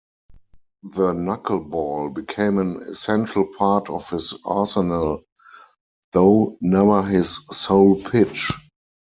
The knuckleball became an essential part of his arsenal though never his sole pitch.